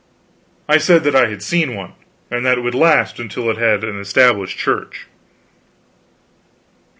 I said I had seen one and that it would last until it had an Established Church.